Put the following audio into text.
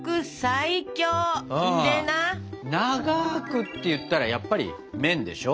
「長ーく」っていったらやっぱり麺でしょ？